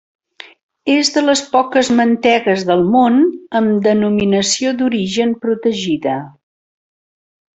És de les poques mantegues del món amb denominació d'origen protegida.